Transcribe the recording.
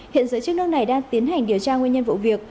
hiện giới chức nước này đang tiến hành điều tra nguyên nhân vụ việc